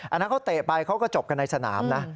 อันนั้นเขาเตะไปเขาก็จบกันในสนามนะ